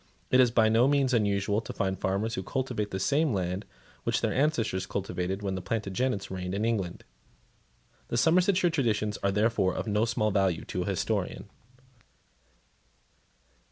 It is by no means unusual to find farmers who cultivate the same land which their ancestors cultivated when the Plantagenets reigned in England. The Somersetshire traditions are therefore, of no small value to a historian.